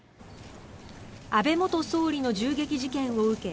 安倍元総理の銃撃事件を受け